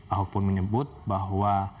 ahok pun menyebut bahwa